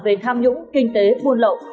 về tham nhũng kinh tế buồn lậu